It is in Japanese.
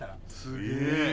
すげえ。